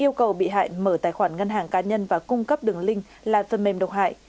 yêu cầu bị hại mở tài khoản ngân hàng cá nhân và cung cấp đường link là phần mềm độc hại